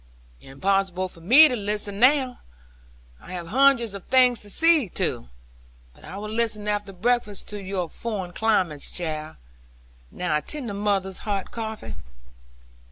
'Impossible for me to listen now, I have hundreds of things to see to; but I will listen after breakfast to your foreign climates, child. Now attend to mother's hot coffee.'